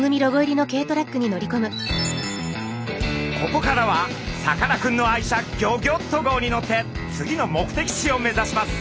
ここからはさかなクンの愛車ギョギョッと号に乗って次の目的地を目指します。